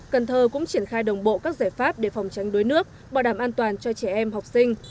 cần thơ cũng triển khai đồng bộ các giải pháp để phòng tránh đuối nước bảo đảm an toàn cho trẻ em học sinh